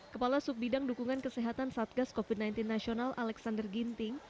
kepala subbidang dukungan kesehatan satgas covid sembilan belas nasional alexander ginting